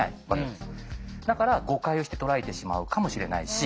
だから誤解をして捉えてしまうかもしれないし。